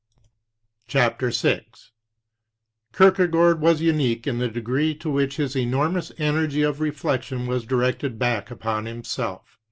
i6 VI Kierkegaard was unique in the degree to which his enormous energy of reflection was directed back upon himself.